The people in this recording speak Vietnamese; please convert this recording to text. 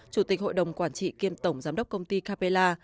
chủ tịch hội đồng quản trị kiêm tổng giám đốc công ty capella